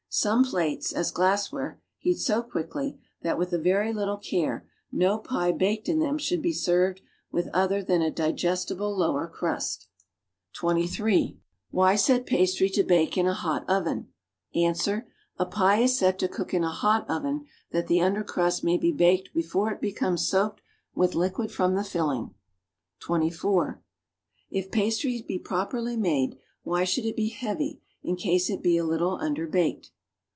Some plates, as glassware, heat so quickly that with a very little care no pie baked in them should be served with other than a digestible lower crust. C.5 (23) Why set pastry to bake in a hot oven? Ans. A pie is set to cook in a hot oven that the under crust may be baked before it becomes soaked with Uquid from the filling. ('24) If pastry be properly made, why should it be heavy in case it be a little under baked?